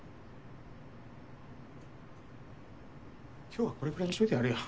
今日はこれくらいにしといてやるよ。